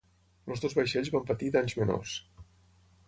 Els dos vaixells van patir danys menors.